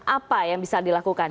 apa yang bisa dilakukan